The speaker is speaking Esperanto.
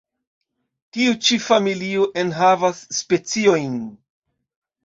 Tio ĉi familio enhavas speciojn.